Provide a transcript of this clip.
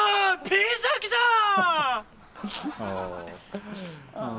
ピンシャキじゃーん！